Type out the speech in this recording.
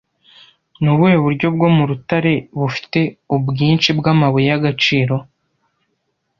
Ni ubuhe buryo bwo mu rutare bufite ubwinshi bw'amabuye y'agaciro